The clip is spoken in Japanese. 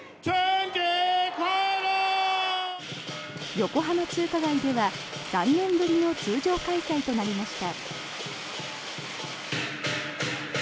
横浜中華街では３年ぶりの通常開催となりました。